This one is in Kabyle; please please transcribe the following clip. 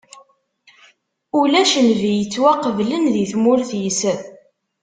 Ulac nnbi yettwaqeblen di tmurt-is.